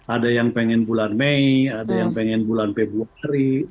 ada yang pengen bulan mei ada yang pengen bulan februari